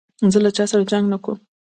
زه له چا سره جنګ نه کوم.